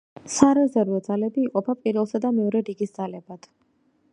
სარეზერვო ძალები იყოფა პირველსა და მეორე რიგის ძალებად.